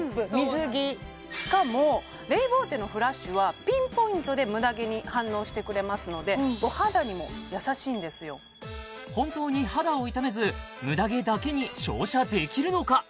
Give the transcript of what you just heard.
しかもレイボーテのフラッシュはピンポイントでムダ毛に反応してくれますので本当に肌を傷めずムダ毛だけに照射できるのか？